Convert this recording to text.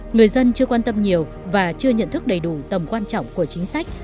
người dân chưa quan tâm nhiều và chưa nhận thức đầy đủ tầm quan trọng của chính sách